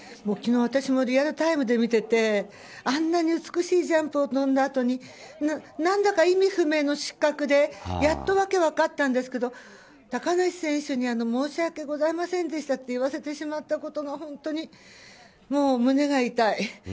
昨日、私リアルタイムで見ていてあんなに美しいジャンプを飛んだあとに何だか意味不明な失格でやっと訳分かったんですけど高梨選手に申し訳ございませんでしたと言わせてしまったことが本当にもう胸が痛い。